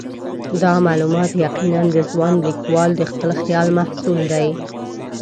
دا معلومات یقیناً د ځوان لیکوال د خپل خیال محصول دي.